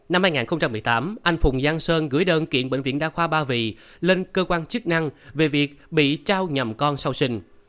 năm hai nghìn một mươi tám anh phùng giang sơn gửi đơn kiện bệnh viện đa khoa ba vì lên cơ quan chức năng về việc bị trao nhầm con sau sinh